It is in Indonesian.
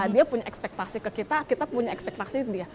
dia punya ekspektasi ke kita kita punya ekspektasi itu dia